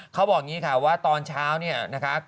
เขาบอกอย่างนี้ค่ะว่าตอนเช้าเนี่ยนะคะ